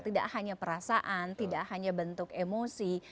tidak hanya perasaan tidak hanya bentuk emosi